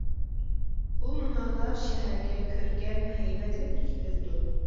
بۇ مۇنارلار شەھەرگە كۆركەم، ھەيۋەتلىك تۈس بېرىدۇ.